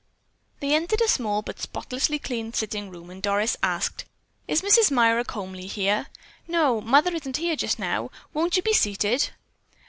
They entered a small but spotlessly clean sitting room and Doris asked, "Is Mrs. Myra Comely here?" "No, Mother isn't here just now. Won't you be seated?"